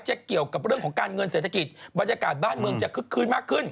เกี่ยวกับเรื่องของการเงินเศรษฐกิจบรรยากาศบ้านเมืองจะคึกคืนมากขึ้น